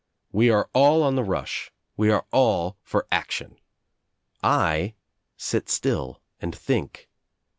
"We arc all on the rush. We are all for action. I sit still and think.